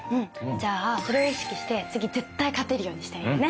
じゃあそれを意識して次絶対勝てるようにしたいよね。